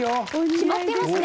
決まってますね。